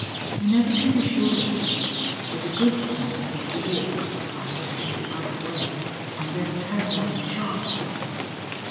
You never can be sure of them, but a good plan is to walk by looking the other way, and then turn round sharply.